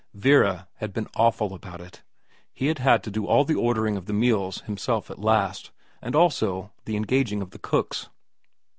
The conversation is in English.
Vera had been awful about it ; he had had to do all the ordering of the meals himself at last, and also the engaging of the cooks.